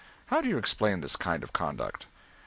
How do you explain this kind of conduct?"